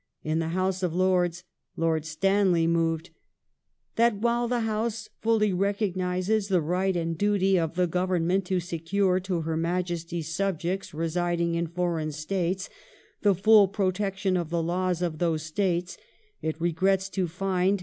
In the House of Lords Lord Stanley moved :—" That while the House fully recognizes the right and duty of the Government to secure to her Majesty's subjects residing in foreign states the full protection of the laws of those states, it regi'ets to find